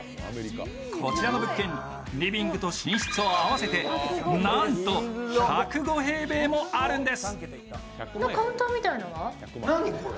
こちらの物件、リビングと寝室を合わせてなんと１０５平米もあるんです。